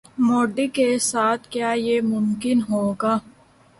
مودی کے ساتھ کیا یہ ممکن ہوگا؟